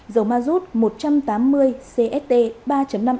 dầu ma rút một trăm tám mươi cst ba năm s giảm sáu trăm bốn mươi đồng một kg